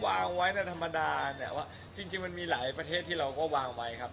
วางไว้ในธรรมดาแต่ว่าจริงมันมีหลายประเทศที่เราก็วางไว้ครับ